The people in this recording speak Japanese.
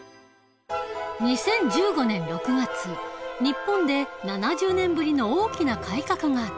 ２０１５年６月日本で７０年ぶりの大きな改革があった。